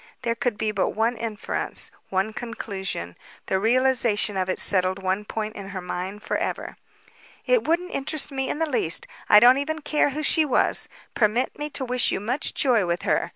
There could be but one inference, one conclusion. The realization of it settled one point in her mind forever. "It wouldn't interest me in the least. I don't even care who she was. Permit me to wish you much joy with her.